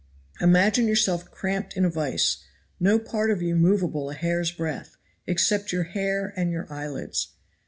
Imagine yourself cramped in a vise, no part of you movable a hair's breadth, except your hair and your eyelids.